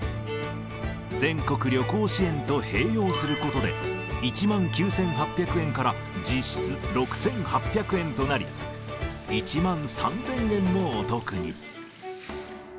全国旅行支援と併用することで、１万９８００円から実質６８００円となり、１万３０００円もお得に。